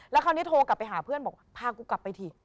แล้วคราวนี้โทรกลับไปหาเพื่อนบอกพากูกลับไปถิ